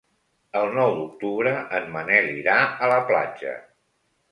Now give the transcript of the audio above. El nou d'octubre en Manel irà a la platja.